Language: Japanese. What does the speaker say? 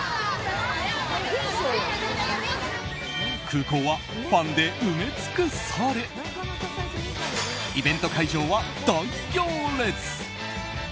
空港はファンで埋め尽くされイベント会場は大行列。